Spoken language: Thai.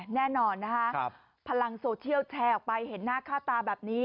แน่นอนนะคะพลังโซเชียลแชร์ออกไปเห็นหน้าค่าตาแบบนี้